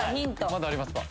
・まだありますか？